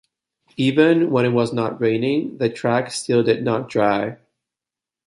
Even when it was not raining, the track still did not dry.